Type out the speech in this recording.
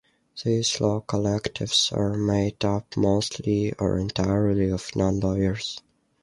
These law collectives are made up mostly or entirely of non-lawyers.